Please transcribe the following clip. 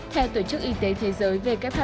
theo tổ chức y thế thế giới